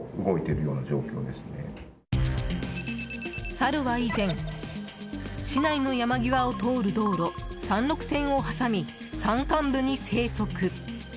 サルは以前市内の山際を通る道路山麓線を挟み、山間部に生息。